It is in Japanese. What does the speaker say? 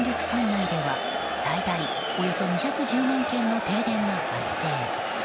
管内では最大およそ２１０万軒の停電が発生。